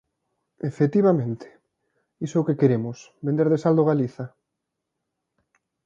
Efectivamente, iso é o que queremos, vender de saldo Galiza.